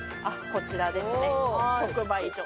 こちらですね。